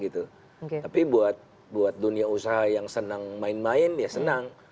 tapi buat dunia usaha yang senang main main ya senang